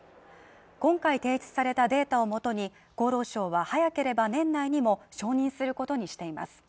今回、提出されたデータをもとに厚労省は早ければ年内にも承認することにしています。